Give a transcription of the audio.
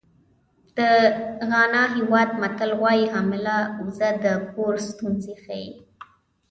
د غانا هېواد متل وایي حامله اوزه د کور ستونزې ښیي.